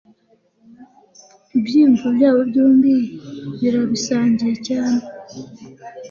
ibyiyumvo byabo byombi barabisangiye cyane